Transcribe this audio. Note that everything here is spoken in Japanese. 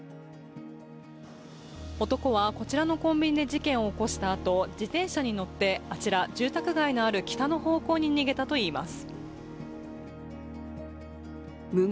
男はこちらのコンビニで事件を起こしたあと、自転車に乗って、あちら、住宅街のある北の方向に逃げたといいます。